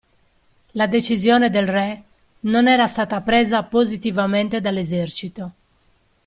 La decisione del Re non era stata presa positivamente dall'esercito.